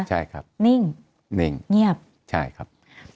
ใช่ครับนิ่งนิ่งเงียบใช่ครับ